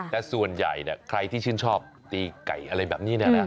แต่ส่วนใหญ่ใครที่ชื่นชอบตีไก่อะไรแบบนี้